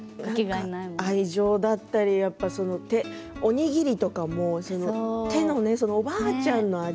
愛情だったりおにぎりとかも手の、おばあちゃんの味。